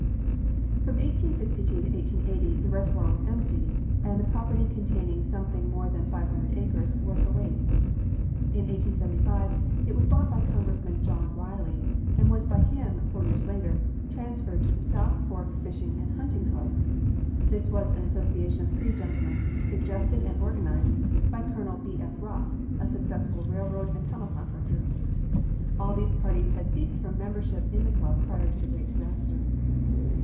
From 1862 to 1880, the reservoir was empty, and the property, containing something more than five hundred acres, was a waste. In 1875 it was bought by Congressman John Reilly, and was by him, four years later, transferred to the South Fork Fishing and Hunting Club. This was an association of three gentlemen; suggested and organized by Colonel B. F. Ruff, a successful railroad and tunnel contractor. All these parties had ceased from membership in the club prior to the great disaster.